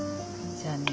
じゃあね